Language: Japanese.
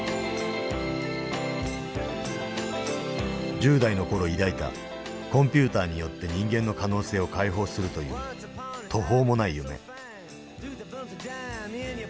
１０代の頃抱いたコンピューターによって人間の可能性を開放するという途方もない夢。